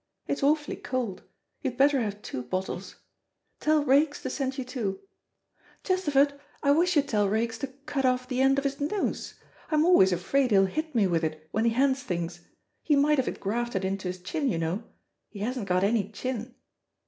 It's awfully cold. You'd better have two bottles. Tell Raikes to send you two. Chesterford, I wish you'd tell Raikes to cut off the end of his nose. I'm always afraid he'll hit me with it when he hands things. He might have it grafted into his chin, you know; he hasn't got any chin.